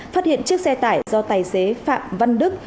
phát hiện chiếc xe tải do tài xế phạm văn đức